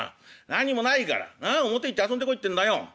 何にもないから表行って遊んでこいってんだよ」。